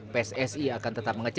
pssi akan tetap mengatakan